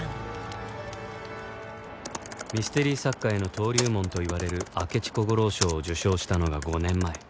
ミステリ作家への登竜門といわれる明智小五郎賞を受賞したのが５年前